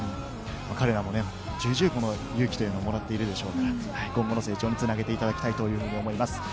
彼らも重々、勇気というのをもらっているでしょうから、今後の成長につなげていただきたいと思います。